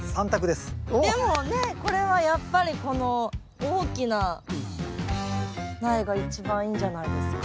でもねこれはやっぱりこの大きな苗が一番いいんじゃないですか？